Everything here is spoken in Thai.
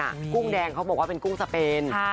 กุ้งแดงเขาบอกว่าเป็นกุ้งสเปน